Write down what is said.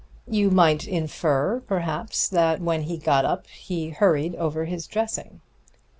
"You might infer, perhaps, that when he got up he hurried over his dressing."